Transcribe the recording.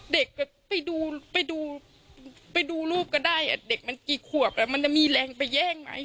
เด็กไปดูไปดูรูปก็ได้เด็กมันกี่ขวบมันจะมีแรงไปแย่งไหม